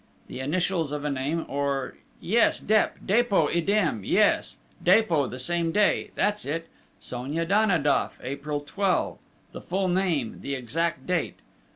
The initials of a name or yes, Dep ... Dépôt idem yes, Dépôt the same day! That's it! Sonia Danidoff, April 12 ... the full name, the exact date.